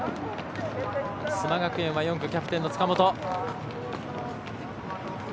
須磨学園はキャプテン、塚本。